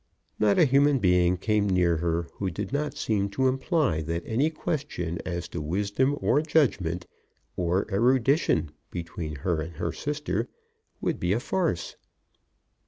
Not a human being came near her who did not seem to imply that any question as to wisdom or judgment or erudition between her and her sister would be a farce.